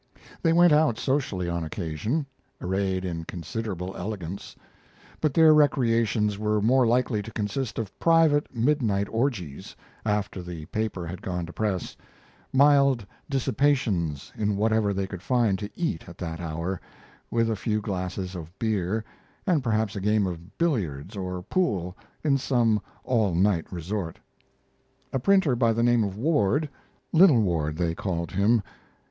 They went out socially, on occasion, arrayed in considerable elegance; but their recreations were more likely to consist of private midnight orgies, after the paper had gone to press mild dissipations in whatever they could find to eat at that hour, with a few glasses of beer, and perhaps a game of billiards or pool in some all night resort. A printer by the name of Ward "Little Ward," [L.